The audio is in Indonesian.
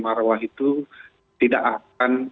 marwah itu tidak akan